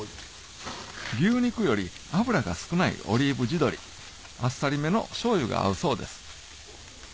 牛肉より脂が少ないオリーブ地鶏あっさりめの醤油が合うそうです